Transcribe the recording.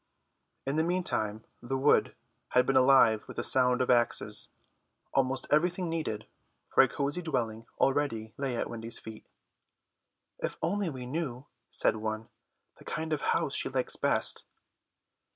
In the meantime the wood had been alive with the sound of axes; almost everything needed for a cosy dwelling already lay at Wendy's feet. "If only we knew," said one, "the kind of house she likes best."